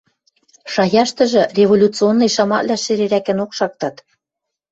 Шаяштыжы революционный шамаквлӓ шӹрерӓкӹнок шактат.